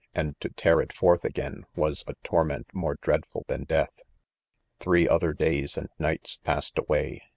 and to tear it forth again was a torment mof€ dreadful than death. ■ 6 Three other days and nights passed away.